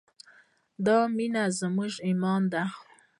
د دې مینه زموږ ایمان دی؟